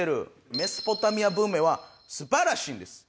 メソポタミア文明は素晴らしいんです。